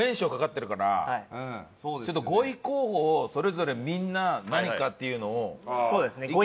ちょっと５位候補をそれぞれみんな何かっていうのを意見